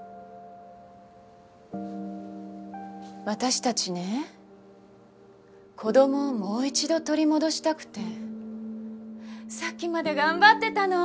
私たちね子どもをもう一度取り戻したくてさっきまで頑張ってたの。